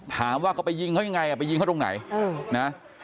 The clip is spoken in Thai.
ถามว่าก็ไปยิงเขาอย่างไรไปยิงเขาตรงไหน